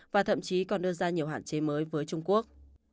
và thậm chí còn đưa ra nhiều hạn chế mới với trung quốc